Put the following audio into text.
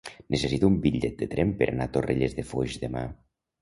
Necessito un bitllet de tren per anar a Torrelles de Foix demà.